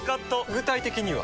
具体的には？